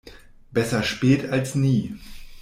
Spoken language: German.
Besser spät als nie.